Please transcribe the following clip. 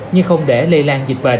nhưng không để lây lan dịch bệnh